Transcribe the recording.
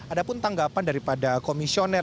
ada pun tanggapan daripada komisioner